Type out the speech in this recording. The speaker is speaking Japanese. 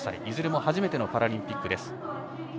いずれも初めてのパラリンピック。